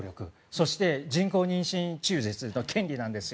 そして、人工妊娠中絶の権利なんです。